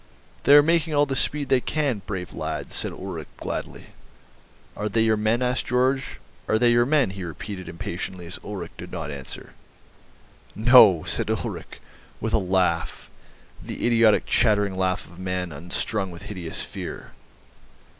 "They are making all the speed they can, brave lads," said Ulrich gladly. "Are they your men?" asked Georg. "Are they your men?" he repeated impatiently as Ulrich did not answer. "No," said Ulrich with a laugh, the idiotic chattering laugh of a man unstrung with hideous fear.